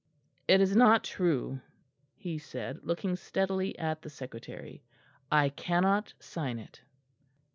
"It is not true," he said, looking steadily at the Secretary; "I cannot sign it."